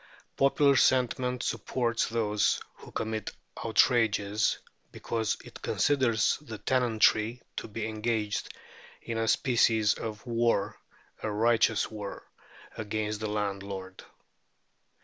Popular sentiment supports those who commit outrages, because it considers the tenantry to be engaged in a species of war, a righteous war, against the landlord.